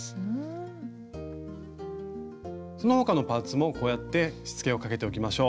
その他のパーツもこうやってしつけをかけておきましょう。